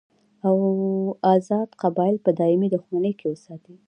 او ازاد قبایل په دایمي دښمنۍ کې وساتي.